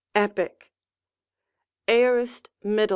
Epic. Aorist Mid.